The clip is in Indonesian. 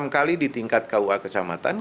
enam kali di tingkat kua kecamatan